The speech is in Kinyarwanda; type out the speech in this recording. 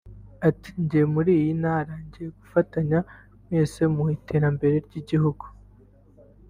Ati “Nje muri iyi ntara nje gufatanya mwese mu iterambere ry’igihugu